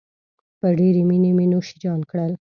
په ډېرې مينې مې نوشیجان کړل.